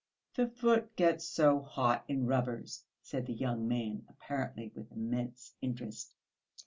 "The foot gets so hot in rubbers," said the young man, apparently with immense interest.